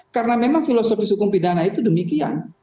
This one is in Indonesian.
karena memang filosofis hukum pidana itu demikian